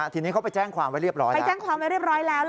ทีนี้เขาไปแจ้งความไว้เรียบร้อยแล้ว